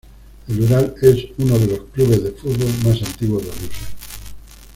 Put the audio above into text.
El Ural es uno de los clubes de fútbol más antiguos de Rusia.